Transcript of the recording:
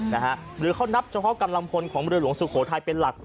หรือเขานับเฉพาะกำลังพลของเรือหลวงสุโขทัยเป็นหลัก